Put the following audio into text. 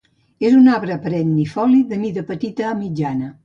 És un arbre perennifoli de mida petita a mitjana.